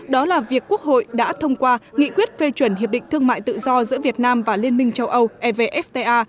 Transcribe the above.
đó là việc quốc hội đã thông qua nghị quyết phê chuẩn hiệp định thương mại tự do giữa việt nam và liên minh châu âu evfta